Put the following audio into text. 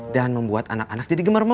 dan membuat anak anak jadi gemar memar